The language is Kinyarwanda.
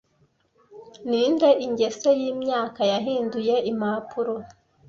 ninde ingese yimyaka yahinduye impapuro